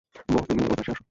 বোহ, তুমি এইপাশে আস।